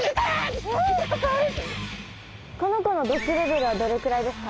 この子の毒レベルはどれくらいですか？